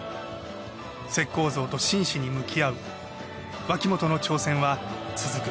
石膏像と真摯に向き合う脇本の挑戦は続く。